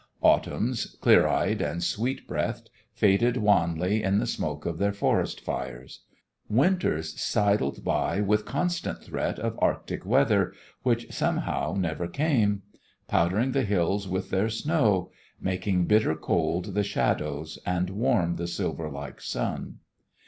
Autumns, clear eyed and sweet breathed, faded wanly in the smoke of their forest fires. Winters sidled by with constant threat of arctic weather which somehow never came; powdering the hills with their snow; making bitter cold the shadows, and warm the silver like sun.